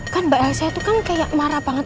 kan mbak elsa itu kan kayak marah banget